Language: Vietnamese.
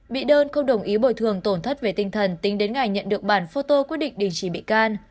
bị đơn không đồng ý bồi thường tổn thất về tinh thần tính đến ngày nhận được bản phô tô quyết định đình trì bị can